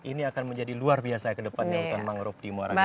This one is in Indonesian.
ini akan menjadi luar biasa ke depannya hutan mangrove di muara ini